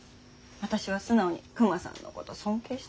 私は素直にクマさんのこと尊敬してる。